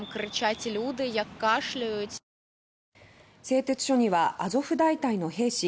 製鉄所には「アゾフ大隊」の兵士